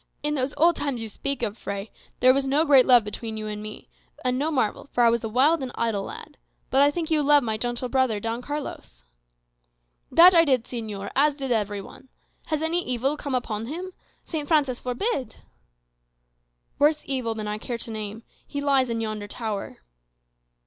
In those old times you speak of, Fray, there was no great love between you and me; and no marvel, for I was a wild and idle lad. But I think you loved my gentle brother, Don Carlos!" "That I did, señor, as did every one. Has any evil come upon him? St. Francis forbid!" "Worse evil than I care to name. He lies in yonder tower."